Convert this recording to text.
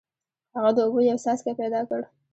هغه د اوبو یو څاڅکی پیدا کړ.